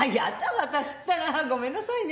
私ったらごめんなさいね。